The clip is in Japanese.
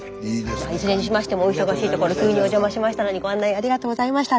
いずれにしましてもお忙しいところ急にお邪魔しましたのにご案内ありがとうございました。